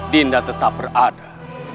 dinda tetap berada